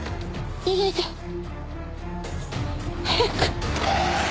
逃げて早く。